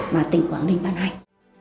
mà tỉnh quảng ninh ban hành